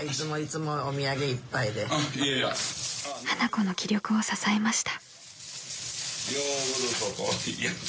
［花子の気力を支えました］